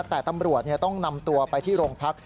แต่ตำรวจต้องนำตัวไปที่โรงพัก